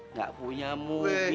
nggak punya mu